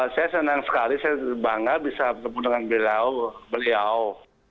saya senang sekali saya bangga bisa bertemu dengan beliau